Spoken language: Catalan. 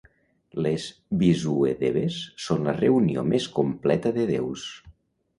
Les visuedeves són la reunió més completa de déus.